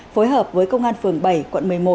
phối hợp với công an phường bảy quận một mươi một